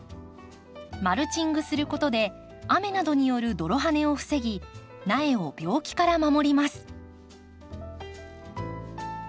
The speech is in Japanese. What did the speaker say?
マルチングすることで雨などによる泥はねを防ぎ苗を病気から守ります。